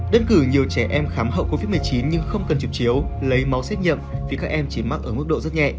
đơn cử nhiều trẻ em khám hậu covid một mươi chín nhưng không cần chụp chiếu lấy máu xét nghiệm vì các em chỉ mắc ở mức độ rất nhẹ